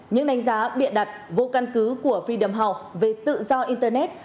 những đánh giá biện đặt vô căn cứ của freedom house về tự do internet